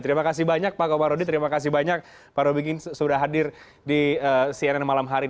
terima kasih banyak pak komarudin terima kasih banyak pak robikin sudah hadir di cnn malam hari ini